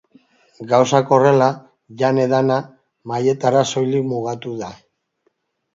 Gauzak horrela, jan-edana mahaietara soilik mugatuko da.